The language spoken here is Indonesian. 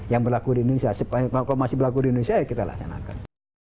yang berlaku di indonesia kalau masih berlaku di indonesia ya kita laksanakan